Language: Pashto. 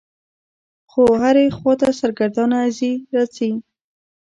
خو هرې خوا ته سرګردانه څي رڅي.